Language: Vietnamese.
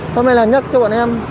thôi may là nhắc cho bọn em